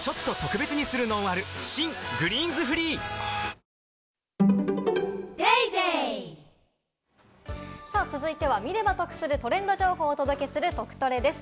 新「グリーンズフリー」続いては見れば得するトレンド情報をお届けする「トクトレ」です。